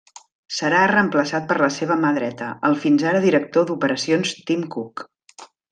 Serà reemplaçat per la seva mà dreta, el fins ara director d'operacions Tim Cook.